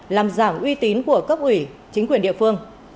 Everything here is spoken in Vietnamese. làm giảm uy tín của cấp ủy chính quyền địa phương